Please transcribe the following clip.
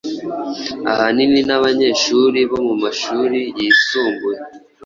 ahanini n’abanyeshuri bo mu mashuri yisumbuye